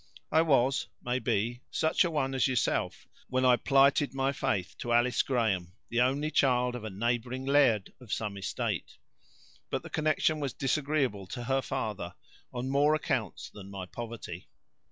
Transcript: I was, maybe, such an one as yourself when I plighted my faith to Alice Graham, the only child of a neighboring laird of some estate. But the connection was disagreeable to her father, on more accounts than my poverty.